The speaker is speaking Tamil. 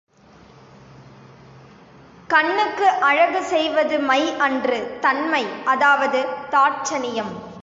கண்ணுக்கு அழகு செய்வது மை அன்று தண்மை அதாவது தாட்சணியம்.